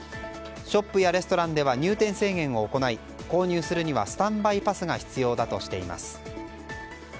ショップやレストランでは入店制限を行い、購入するにはスタンバイパスが必要だとしています。